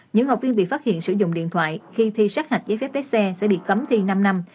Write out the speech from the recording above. những học viên bị phát hiện sử dụng điện thoại khi thi sát hạch giấy phép lái xe sẽ bị cấm thi năm năm